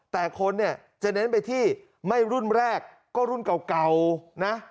แต่คนเนี่ยจะเน้นไปที่ไม่รุ่นแรกก็รุ่นเก่านะ